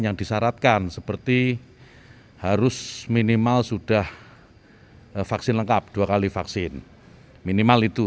yang disyaratkan seperti harus minimal sudah vaksin lengkap dua kali vaksin minimal itu